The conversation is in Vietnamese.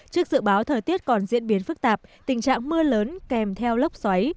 trước dự báo thời tiết còn diễn biến phức tạp tình trạng mưa lớn kèm theo lốc xoáy